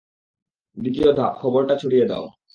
দ্বিতীয় ধাপ, খবরটা ছড়িয়ে দাও।